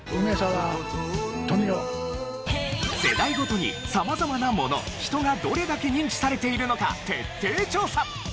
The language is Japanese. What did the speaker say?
世代ごとに様々なもの人がどれだけ認知されているのか徹底調査。